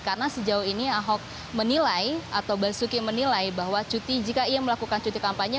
karena sejauh ini ahok menilai atau basuki menilai bahwa cuti jika ia melakukan cuti kampanye